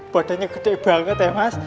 badannya gede banget ya mas